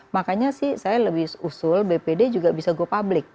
makanya sih saya lebih usul bpd juga bisa go public